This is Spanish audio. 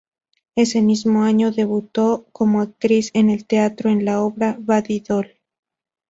Ese mismo año debutó como actriz en el teatro en la obra "Baby Doll".